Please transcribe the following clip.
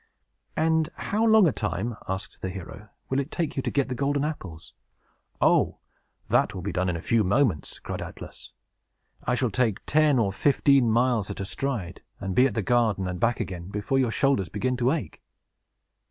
"And how long a time," asked the hero, "will it take you to get the golden apples?" "Oh, that will be done in a few moments," cried Atlas. "I shall take ten or fifteen miles at a stride, and be at the garden and back again before your shoulders begin to ache."